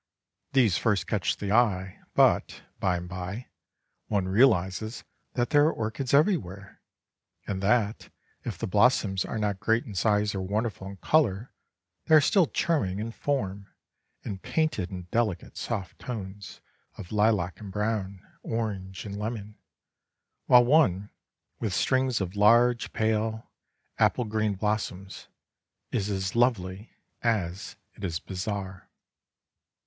These first catch the eye, but, by and by, one realises that there are orchids everywhere, and that, if the blossoms are not great in size or wonderful in colour, they are still charming in form, and painted in delicate soft tones of lilac and brown, orange and lemon, while one, with strings of large, pale, apple green blossoms, is as lovely as it is bizarre.